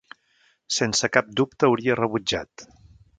Sense cap dubte, hauria rebutjat.